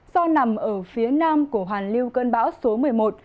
do nằm ở phía nam của hoàn lưu cơn bão số một mươi một